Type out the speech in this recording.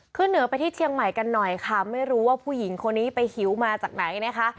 ขึ้นเหนือไปที่เชียงใหม่กันหน่อยค่ะไม่รู้ว่าผู้หญิงคนนี้ไปหิวมาจากไหนนะคะ